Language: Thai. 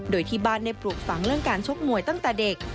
โดยที่บ้านได้ปลูกฝังเรื่องการชกมวยตั้งแต่เด็ก